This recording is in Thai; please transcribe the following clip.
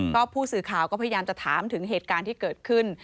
ก็ผู้สื่อข่าวก็พยายามจะถามถึงเหตุการณ์ที่เกิดขึ้น